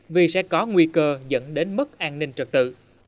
vì sẽ có nguy cơ dẫn đến mất an ninh trật tự